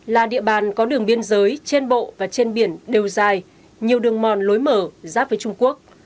là địa bàn có đường biên giới trên bộ và trên biển đều dài nhiều đường mòn lối mở giáp với trung quốc